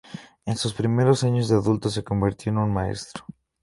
En sus primeros años de adulto se convirtió en un maestro.